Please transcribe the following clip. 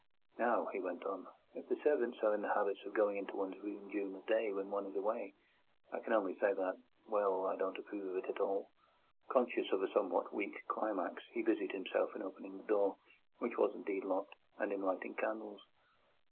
"Now," he went on, "if the servants are in the habit of going into one's room during the day when one is away, I can only say that—well, that I don't approve of it at all." Conscious of a somewhat weak climax, he busied himself in opening the door (which was indeed locked) and in lighting candles.